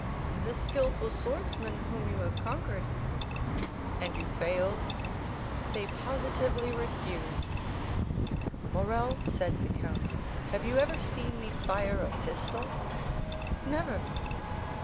"The skilful swordsman whom you have conquered." "And you failed?" "They positively refused." "Morrel," said the count, "have you ever seen me fire a pistol?" "Never."